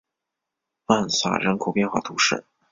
曼萨人口变化图示